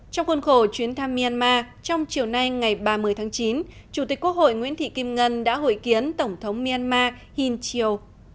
trong khuôn khổ chuyến thăm myanmar trong chiều nay ngày ba mươi tháng chín chủ tịch quốc hội nguyễn thị kim ngân đã hội kiến tổng thống myanmar hin chiều